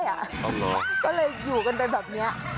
อ๋อเหรอก็เลยอยู่กันไปแบบนี้